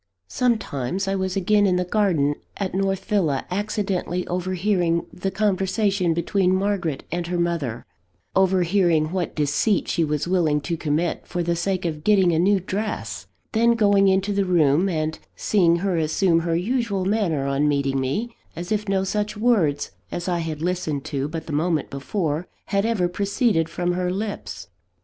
Sometimes, I was again in the garden at North Villa accidentally overhearing the conversation between Margaret and her mother overhearing what deceit she was willing to commit, for the sake of getting a new dress then going into the room, and seeing her assume her usual manner on meeting me, as if no such words as I had listened to but the moment before, had ever proceeded from her lips.